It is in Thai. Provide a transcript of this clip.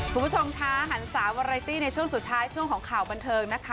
คุณผู้ชมคะหันสาววาไรตี้ในช่วงสุดท้ายช่วงของข่าวบันเทิงนะคะ